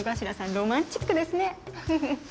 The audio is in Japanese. ロマンチックですねフフッ。